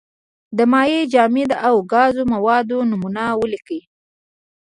د مایع، جامد او ګاز موادو نومونه ولیکئ.